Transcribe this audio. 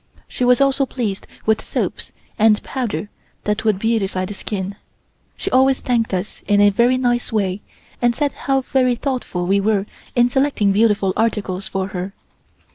She was also pleased with soaps and powder that would beautify the skin. She always thanked us in a very nice way and said how very thoughtful we were in selecting beautiful articles for her.